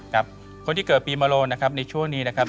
กับคนที่เกิดปีมโลนะครับในช่วงนี้นะครับ